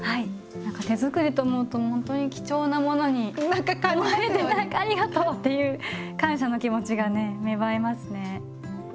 何か手づくりと思うと本当に貴重なものに思われてありがとうっていう感謝の気持ちがね芽生えますね。